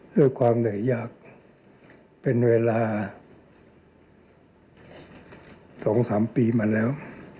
ด้วยความเหนื่อยยากเป็นเวลา๒๓ปีมาแล้ว